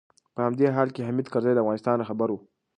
په همدې حال کې حامد کرزی د افغانستان رهبر و.